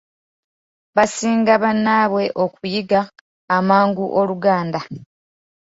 Baasinga bannaabwe okuyiga amangu Oluganda.